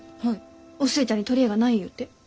お寿恵ちゃんに取り柄がないゆうて？